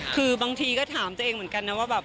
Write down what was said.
คือบางทีก็ถามตัวเองเหมือนกันนะว่าแบบ